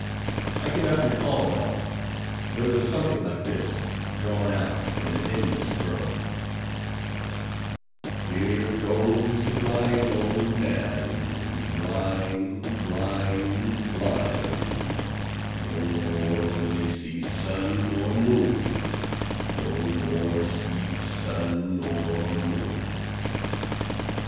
I can not recall it all; but it was something like this, drawn out in an endless groan— "Here goes the blind old man; blind, blind, blind; no more will he see sun nor moon—no more see sun nor moon!"